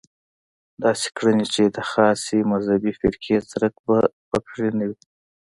داسې کړنې چې د خاصې مذهبي فرقې څرک به په کې نه وي.